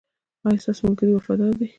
ایا ستاسو ملګري وفادار دي؟